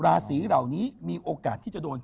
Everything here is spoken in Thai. ราศีเหล่านี้มีโอกาสที่จะโดน